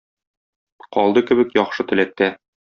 Калды кебек яхшы теләктә.